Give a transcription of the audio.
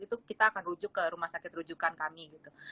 itu kita akan rujuk ke rumah sakit rujukan kami gitu